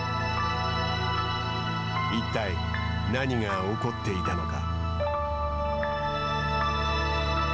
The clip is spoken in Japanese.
一体何が起こっていたのか。